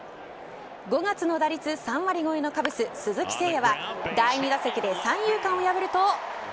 ５月の打率３割超えのカブス、鈴木誠也は第２打席で三遊間を破ると。